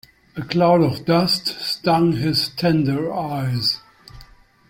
A cloud of dust stung his tender eyes.